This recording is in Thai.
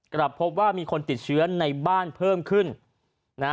กลับพบว่ามีคนติดเชื้อในบ้านเพิ่มขึ้นนะ